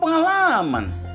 iya pengalaman sendiri